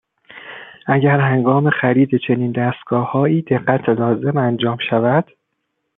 اگر هنگام خرید چنین دستگاههایی، دقّت لازم انجام شود.